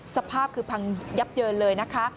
สภาพคือพังยับเยินเลยนะคะ